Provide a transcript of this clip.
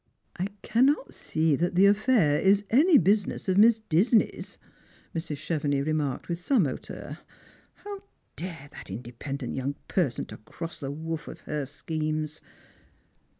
" I cannot see that the affair is any business of Miss Disney's," Mrs. Chevenix remarked with some hauteur. How dared that independent young person to cross the woof of her schemes